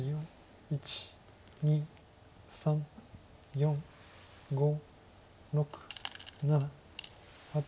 １２３４５６７８。